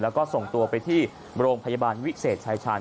แล้วก็ส่งตัวไปที่โรงพยาบาลวิเศษชายชาญ